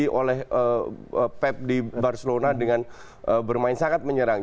tapi kalau bermain bertahan dari awal di barcelona dia juga kalah dari segala segi